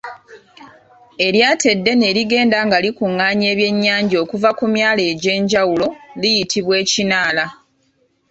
Eryato eddene erigenda nga likungaanya ebyennyanja okuva ku myalo egy’enjawulo liyitibwa ekinaala.